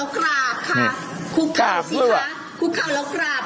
เขาแล้วกราบค่ะคุกเขาสิคะคุกเขาแล้วกราบ